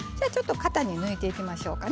型に抜いていきましょうかね。